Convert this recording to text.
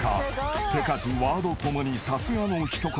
［手数ワード共にさすがの一言］